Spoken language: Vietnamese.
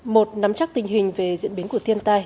một nắm chắc tình hình về diễn biến của thiên tai